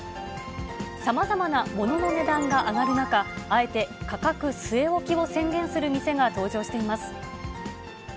さまざまな物の値段が上がる中、あえて価格据え置きを宣言する店が登場しています。